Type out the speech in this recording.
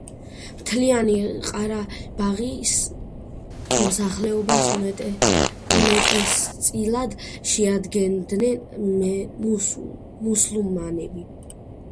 მთლიანი ყარაბაღის მოსახლეობას, უმეტესწილად შეადგენდნენ მუსულმანები.